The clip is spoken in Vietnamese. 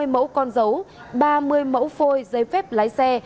ba trăm sáu mươi mẫu con dấu ba mươi mẫu phôi dây phép lái xe